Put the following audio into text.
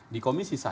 di komisi satu